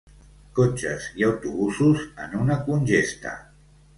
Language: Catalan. Cotxes i autobusos en una congesta.